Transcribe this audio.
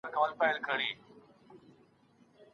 موږ نسو کولای د خلګو چلند کنټرول کړو.